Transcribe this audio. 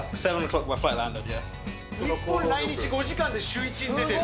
日本来日５時間でシューイチに出てる。